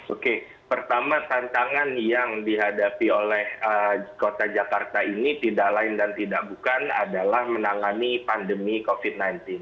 oke pertama tantangan yang dihadapi oleh kota jakarta ini tidak lain dan tidak bukan adalah menangani pandemi covid sembilan belas